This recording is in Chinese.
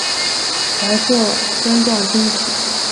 白色针状晶体。